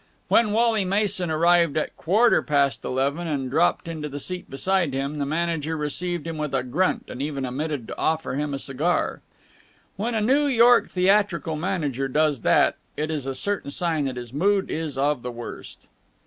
When Wally Mason arrived at a quarter past eleven and dropped into the seat beside him, the manager received him with a grunt and even omitted to offer him a cigar. And when a New York theatrical manager does that, it is a certain sign that his mood is of the worst.